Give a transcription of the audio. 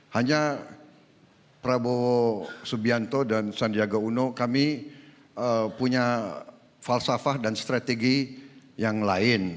hanya prabowo subianto dan sandiaga uno kami punya falsafah dan strategi yang lain